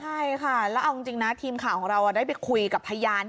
ใช่ค่ะแล้วเอาจริงนะทีมข่าวของเราได้ไปคุยกับพยาน